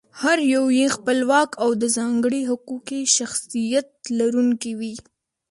هر یو یې خپلواک او د ځانګړي حقوقي شخصیت لرونکی وي.